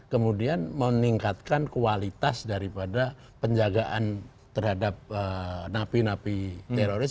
kemudian meningkatkan kualitas daripada penjagaan terhadap napi napi teroris